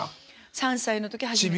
３歳の時初めて。